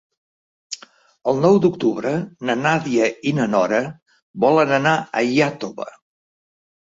El nou d'octubre na Nàdia i na Nora volen anar a Iàtova.